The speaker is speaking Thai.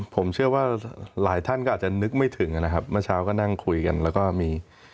ผมเชื่อว่าหลายท่านก็อาจจะนึกไม่ถึงนะครับเมื่อเช้าก็นั่งคุยกันแล้วก็มี